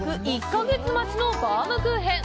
１か月待ちのバウムクーヘン。